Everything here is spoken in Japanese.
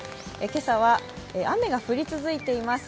今朝は雨が降り続いています。